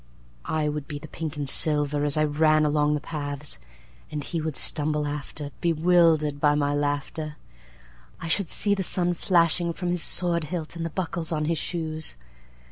I would be the pink and silver as I ran along the paths, And he would stumble after, Bewildered by my laughter.I should see the sun flashing from his sword hilt and the buckles on his shoes.